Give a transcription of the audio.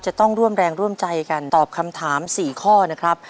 จะต้องร่วมแรงร่วมใจกันตอบคำถาม๔ข้อนะครับ